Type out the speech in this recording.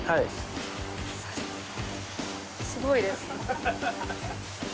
すごいです。